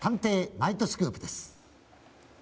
ナイトスクープ」です。